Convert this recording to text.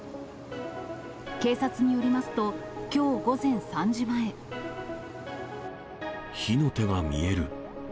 警察によりますと、火の手が見える。